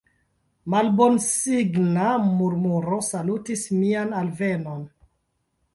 Malbonsigna murmuro salutis mian alvenon.